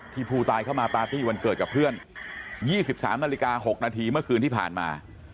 ผู้ตายเข้ามาปาร์ตี้วันเกิดกับเพื่อน๒๓นาฬิกา๖นาทีเมื่อคืนที่ผ่านมา